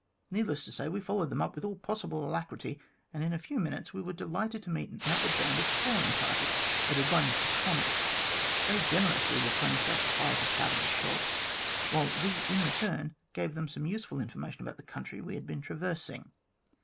Needless to say, we followed them up with all possible alacrity, and in a few minutes we were delighted to meet an outward bound exploring party, headed by Mr Connor. They generously replenished our supplies of powder and shot, while we in return gave them some useful information about the country we had been traversing.